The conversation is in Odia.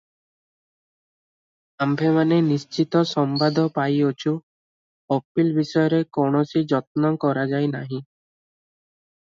ଆମ୍ଭେମାନେ ନିଶ୍ଚିତ ସମ୍ବାଦ ପାଇଅଛୁ, ଅପିଲ୍ ବିଷୟରେ କୌଣସି ଯତ୍ନ କରାଯାଇନାହିଁ ।